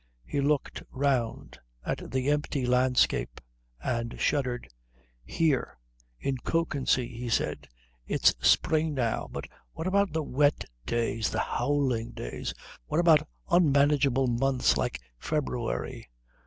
He looked round at the empty landscape and shuddered. "Here. In Kökensee," he said. "It's spring now. But what about the wet days, the howling days? What about unmanageable months like February?